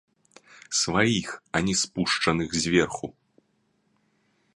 Сваіх, а не спушчаных зверху!